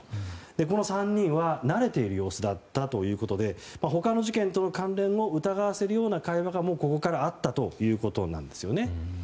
この３人は慣れている様子だったということで他の事件との関連を疑わせるような会話がここからあったということなんですね。